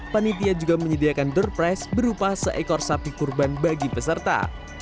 panitia juga menyediakan der press berupa seekor sapi kurban bagi peserta